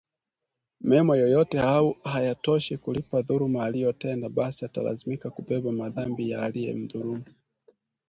mema yoyote au hayatoshi kulipa dhuluma aliyotenda basi atalazimika kubeba madhambi ya aliyemdhulumu